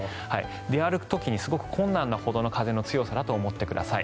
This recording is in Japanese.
出歩く時にすごく困難なほどの風の強さだと思ってください。